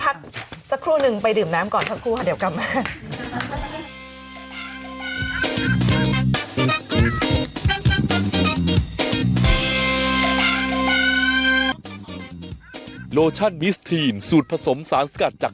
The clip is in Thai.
พักสักครู่นึงไปดื่มน้ำก่อนสักครู่ค่ะเดี๋ยวกลับมา